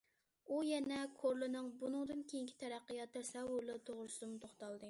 ئۇ يەنە كورلىنىڭ بۇنىڭدىن كېيىنكى تەرەققىيات تەسەۋۋۇرلىرى توغرىسىدىمۇ توختالدى.